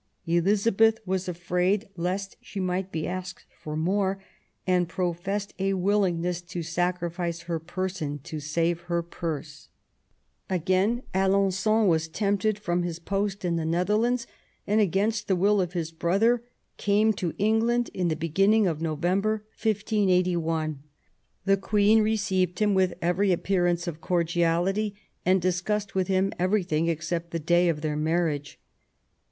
Elizabeth was afraid lest she might be asked for more, and pro fessed a willingness to sacrifice her person to save her purse. Again Alengon was tempted from his post in the Netherlands, and, against the will of his brother, came to England in the beginning of November, 1581. The Queen received him with every appearance of cordiality, and discussed with him everything except the day for their marriage.